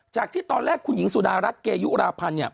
ที่ตอนแรกคุณหญิงสุดารัฐเกยุราพันธ์เนี่ย